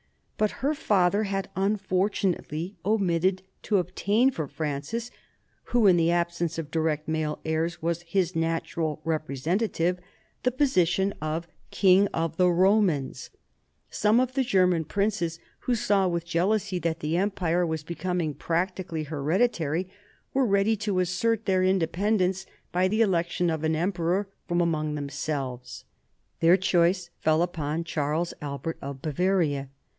But her father had unfortunately omitted to obtain for Francis, who in the absence of direct male heirs was his natural representative, the position of King of the l J 1740 43 WAR OF SUCCESSION 19 Bomans. Some of the German princes, who saw with jealousy that the Empire was becoming practically hereditary, were ready to assert their independence by the election of an emperor from among themselves. Their choice fell upon Charles Albert of Bavaria.